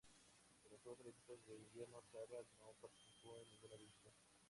En los Juegos Olímpicos de Invierno Sarre no participó en ninguna edición.